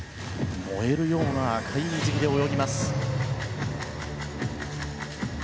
燃えるような赤い水着で泳ぎます。